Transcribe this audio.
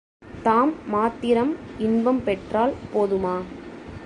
தாம் மாத்திரம் இன்பம் பெற்றால் போதுமா?